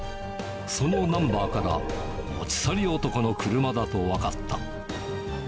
そのナンバーから、持ち去り男の車だと分かった。